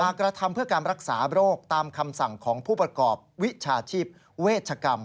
กระทำเพื่อการรักษาโรคตามคำสั่งของผู้ประกอบวิชาชีพเวชกรรม